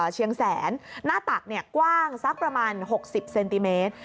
เชียงแสนหน้าตักเนี่ยกว้างสักประมาณหกสิบเซนติเมตร